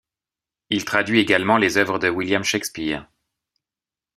Il traduit également les œuvres de William Shakespeare.